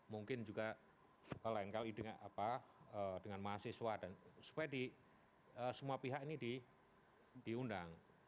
mungkin juga lain kali dengan mahasiswa dan supaya semua pihak ini diundang